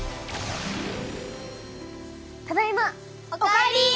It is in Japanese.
ただいま！お帰り！